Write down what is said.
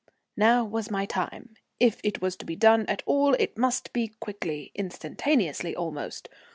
Now was my time. If it was to be done at all it must be quickly, instantaneously almost.